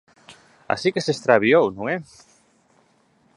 _Así que se extraviou, ¿non é?